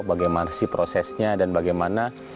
bagaimana sih prosesnya dan bagaimana